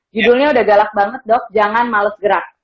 judulnya udah galak banget dok jangan males gerak